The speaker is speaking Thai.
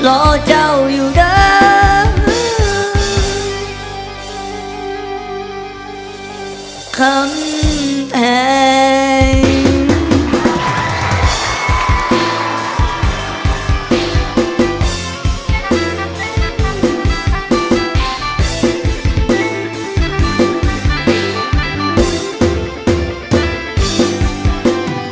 รอเจ้าอยู่เดิมคำแพง